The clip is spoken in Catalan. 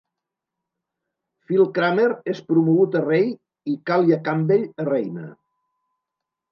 Phil Kramer és promogut a Rei i Kalia Campbell a Reina.